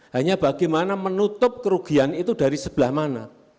hanya bagaimana menutup kerugian itu dari sebelah mana